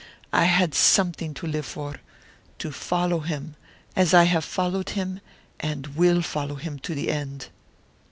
I had something to live for, to follow him, as I have followed him and will follow him to the end."